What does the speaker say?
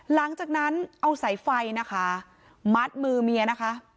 หลังจากนั้นเอาสายไฟนะคะมัดมือเมียนะคะ